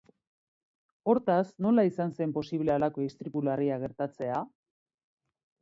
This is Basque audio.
Hortaz, nola izan zen posible halako istripu larria gertatzea?